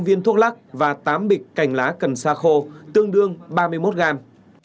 chín mươi năm viên thuốc lắc và tám bịch cành lá cần sa khô tương đương ba mươi một gram